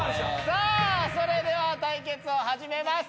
さあそれでは対決を始めます。